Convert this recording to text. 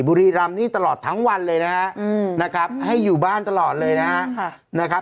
บุรีรำนี่ตลอดทั้งวันเลยนะฮะให้อยู่บ้านตลอดเลยนะครับ